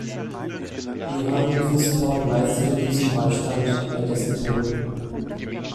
Johann Quistorp leistete diesem Beistand bei dessen Tod.